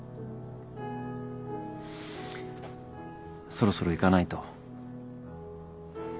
そろそろ行かないと。